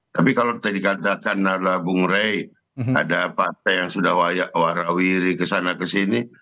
tapi kalau tadi katakan adalah bung rai ada pak rai yang sudah warawiri kesana kesini